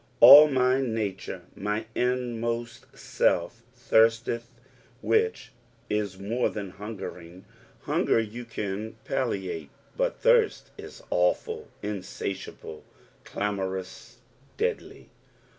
AH my nature, my inmost self. " 17iirtteth." Which is more than hungering ; hunger you can. palliate, but thirst ia awful, insatiable, clamorous, deadly.